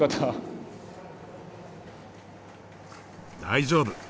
大丈夫！